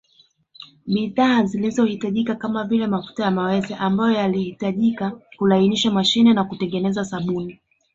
Bidhaa zilizo hitajika kamavile mafuta ya mawese ambayo yalihitajika kulainisha mashine na kutengeneza sabuni